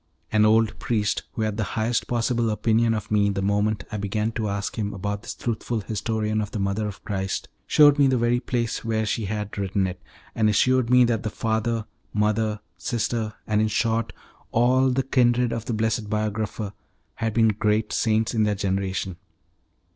An old priest, who had the highest possible opinion of me the moment I began to ask him about this truthful historian of the mother of Christ, shewed me the very place where she had written it, and assured me that the father, mother, sister, and in short all the kindred of the blessed biographer, had been great saints in their generation.